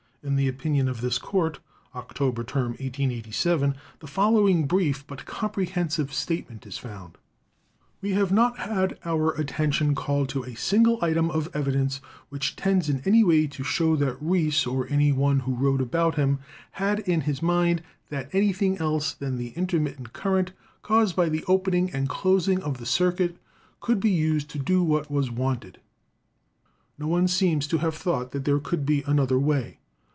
In the opinion of this 266 ELECTRICITY court (October term, 1887) the following brief but com prehensive statement is found: "We have not had our attention called to a single item of evidence which tends in any way to show that Reis or any one who wrote about him had it in his mind that any thing else than the intermittent current caused by the opening and closing of the circuit could be used to do what was wanted. No one seems to have thought that there could be another way.